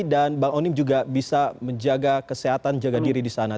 dan bang onim juga bisa menjaga kesehatan jaga diri di sana